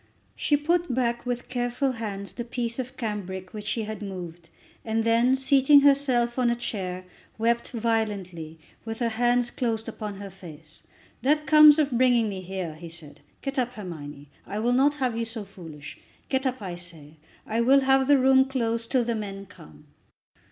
She put back with careful hands the piece of cambric which she had moved, and then, seating herself on a chair, wept violently, with her hands closed upon her face. "That comes of bringing me here," he said. "Get up, Hermione. I will not have you so foolish. Get up, I say. I will have the room closed till the men come."